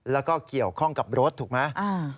แล้วก็เกี่ยวข้องกับรถถูกไหม